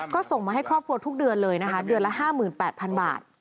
ก็ส่งมาให้ครอบครัวทุกเดือนเลยนะคะเดือนละ๕๘๐๐๐บาท